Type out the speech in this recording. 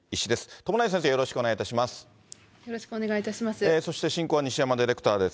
友成先生、よろしくお願いいたします。